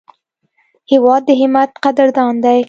هېواد د همت قدردان دی.